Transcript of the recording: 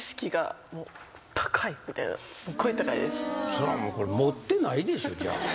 それはもうこれ盛ってないでしょじゃあ。